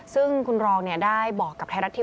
ซึ่งคุณรองเนี่ยได้บอก